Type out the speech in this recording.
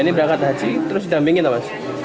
ini berangkat haji terus didampingin apa mas